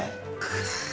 くっ。